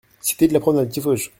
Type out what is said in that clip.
Cité de la Promenade, Tiffauges